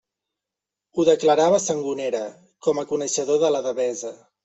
Ho declarava Sangonera, com a coneixedor de la Devesa.